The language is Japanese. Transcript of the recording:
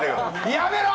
やめろー！